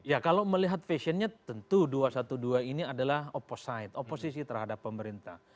ya kalau melihat fashionnya tentu dua ratus dua belas ini adalah oposite oposisi terhadap pemerintah